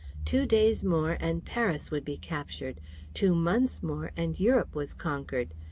Two days more and Paris would be captured; two months more and Europe was conquered.